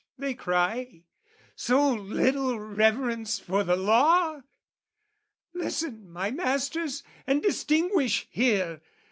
They cry "so little reverence for the law?" Listen, my masters, and distinguish here!